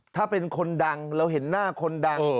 ถ้าเป็นคนดังเราเห็นหน้าคนดัง